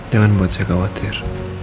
jangan buat saya khawatir